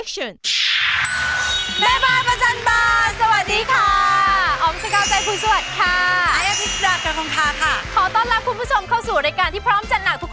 สวัสดีค่ะ